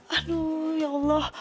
aduh ya allah